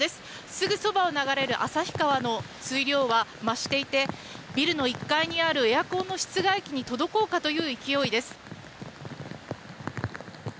すぐそばを流れる旭川の水量は増していてビルの１階にあるエアコンの室外機に届こうかという勢いです。